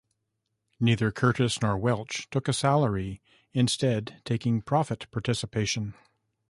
Neither Curtis nor Welch took a salary, instead taking profit participation.